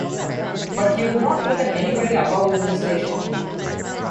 But he would not look at anybody above him in station.